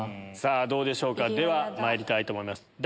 さぁどうでしょうかではまいりたいと思います。